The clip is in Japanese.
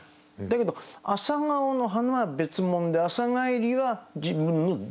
だけど「朝顔」の花は別もんで「朝帰り」は自分の動作なんでね。